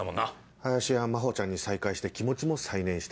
林は真帆ちゃんに再会して気持ちも再燃した。